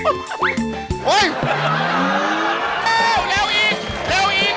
เร็วเร็วอีกเร็วอีกเร็วอีก